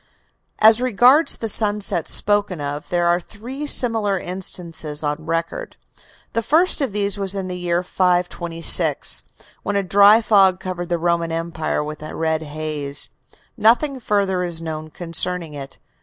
As regards the sunsets spoken of, there are three similar instances on record. The first of these was in the year 526, when a dry fog covered the Roman Empire with a red haze. Nothing further is known concerning it.